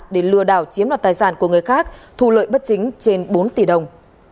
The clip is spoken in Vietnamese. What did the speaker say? để lừa đảo chiếm đoạt tài sản của người khác thu lợi bất chính trên bốn tỷ đồng